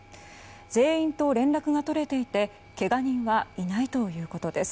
全員と連絡が取れていてけが人はいないということです。